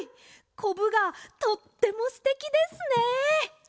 こぶがとってもすてきですね！